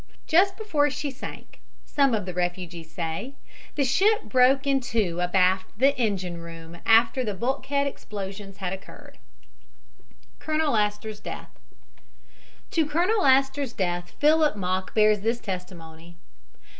Just before she sank, some of the refugees say, the ship broke in two abaft the engine room after the bulkhead explosions had occurred. COLONEL ASTOR'S DEATH To Colonel Astor's death Philip Mock bears this testimony.